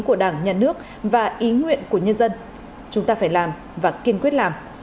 của đảng nhà nước và ý nguyện của nhân dân chúng ta phải làm và kiên quyết làm